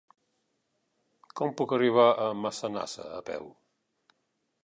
Com puc arribar a Massanassa a peu?